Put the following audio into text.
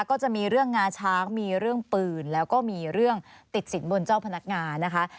ก็จะมีเรื่องงาช้างมีเรื่องปืนแล้วก็มีเรื่องติดสินบนเจ้าพนักงานนะคะ